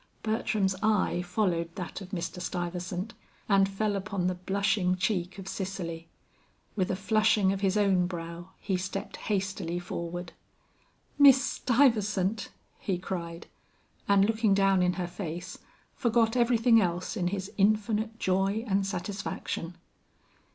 Bertram's eye followed that of Mr. Stuyvesant, and fell upon the blushing cheek of Cicely. With a flushing of his own brow, he stepped hastily forward. "Miss Stuyvesant!" he cried, and looking down in her face, forgot everything else in his infinite joy and satisfaction.